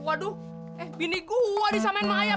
waduh eh bini gua disamain sama ayam